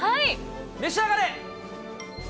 召し上がれ。